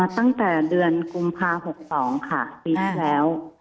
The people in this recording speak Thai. ตั้งแต่เดือนกุมภา๖๒ค่ะปีที่แล้ว